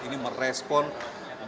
ini merespon dengan